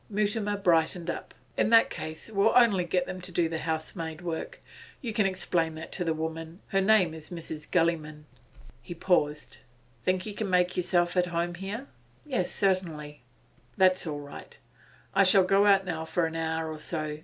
Mutimer brightened up. 'In that case we'll only get them to do the housemaid work. You can explain that to the woman; her name is Mrs. Gulliman.' He paused. 'Think you can make yourself at home, here?' 'Yes, certainly.' 'That's all right. I shall go out now for an hour or so.